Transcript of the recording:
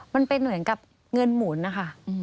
มันเป็นเหมือนกับเงินหมุนนะคะ